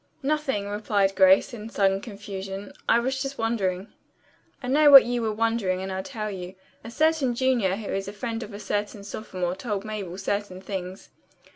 "Nothing," replied Grace, in sudden confusion. "I was just wondering." "I know what you were wondering and I'll tell you. A certain junior who is a friend of a certain sophomore told Mabel certain things."